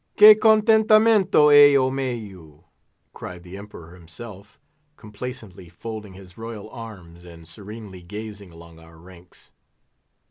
"Que contentamento he o meu!" cried the Emperor himself, complacently folding his royal arms, and serenely gazing along our ranks.